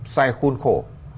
sai khuôn khổ